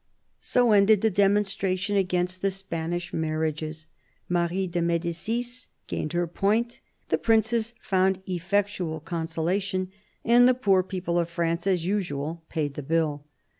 So ended the demonstration against the Spanish marriages. Marie de Medicis gained her point : the princes found effectual consolation; and the poor people of France, as usual, paid the bill.